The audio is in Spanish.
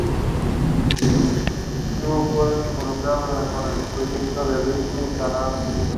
Estuvo fuertemente involucrado con el proyecto "The Beatles Anthology".